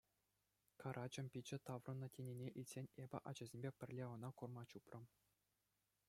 Карачӑм пичче таврӑннӑ тенине илтсен, эпӗ ачасемпе пӗрле ӑна курма чупрӑм.